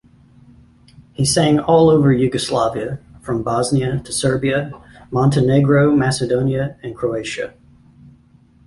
He sang all over Yugoslavia, from Bosnia to Serbia, Montenegro, Macedonia and Croatia.